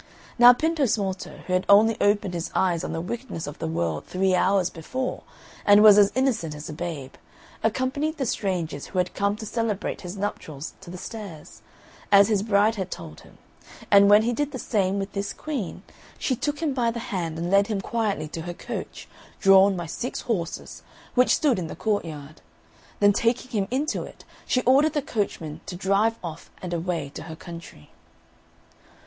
Now Pintosmalto, who had only opened his eyes on the wickedness of the world three hours before, and was as innocent as a babe, accompanied the strangers who had come to celebrate his nuptials to the stairs, as his bride had told him; and when he did the same with this Queen, she took him by the hand and led him quietly to her coach, drawn by six horses, which stood in the courtyard; then taking him into it, she ordered the coachman to drive off and away to her country.